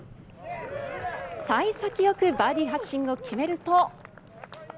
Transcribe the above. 幸先よくバーディー発進を決めると。